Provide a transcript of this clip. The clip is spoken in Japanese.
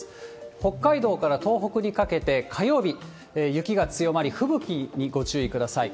北海道から東北にかけて、火曜日、雪が強まり、吹雪にご注意ください。